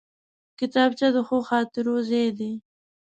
کتابچه د ښو خاطرو ځای دی